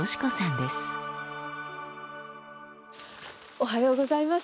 おはようございます。